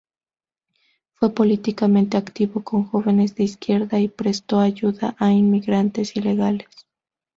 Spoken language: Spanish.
Fue políticamente activo con jóvenes de izquierda, y prestó ayuda a inmigrantes ilegales.